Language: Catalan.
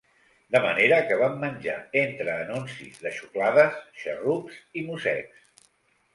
De manera que vam menjar entre anuncis de xuclades, xarrups i mossecs.